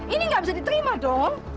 ini nggak bisa diterima dong